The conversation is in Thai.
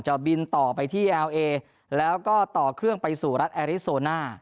บินต่อไปที่เอลเอแล้วก็ต่อเครื่องไปสู่รัฐแอริสโซน่า